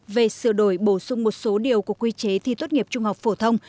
về sửa đổi bổ sung một số điều của quy chế thi tốt nghiệp trung học phổ thông